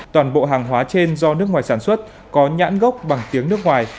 toàn bộ hàng hóa trên do nước ngoài sản xuất có nhãn gốc bằng tiếng nước ngoài